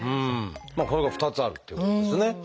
これが２つあるっていうことですね。